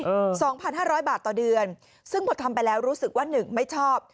อืมสองพันห้าร้อยบาทต่อเดือนซึ่งพอทำไปแล้วรู้สึกว่าหนึ่งไม่ชอบ